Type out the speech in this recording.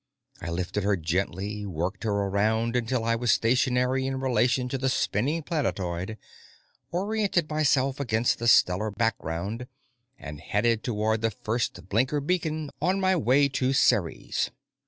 I lifted her gently, worked her around until I was stationary in relation to the spinning planetoid, oriented myself against the stellar background, and headed toward the first blinker beacon on my way to Ceres.